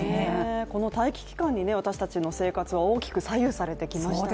この待機期間に私たちの生活は大きく左右されてきましたからね。